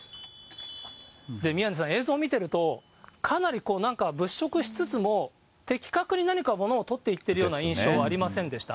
宮根さん、映像見てると、かなりこう、なんか物色しつつも、的確に何か物をとっていってるような印象ありませんでした？